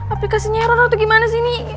aplikasinya rono atau gimana sih ini